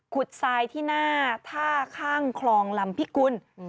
ทรายที่หน้าท่าข้างคลองลำพิกุล